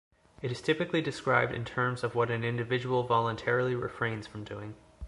It is typically described in terms of what an individual voluntarily refrains from doing.